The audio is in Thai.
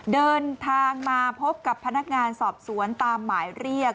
เดินทางมาพบกับพนักงานสอบสวนตามหมายเรียก